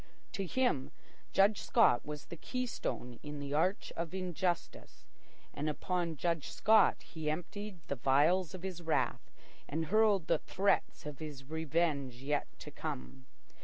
To him, Judge Scott was the keystone in the arch of injustice, and upon Judge Scott he emptied the vials of his wrath and hurled the threats of his revenge yet to come.